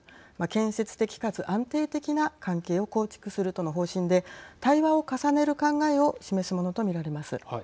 建設的かつ安定的な関係を構築するとの方針で対話を重ねる考えを示すものと見られます。